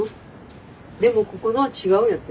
でもここのは違うんやて。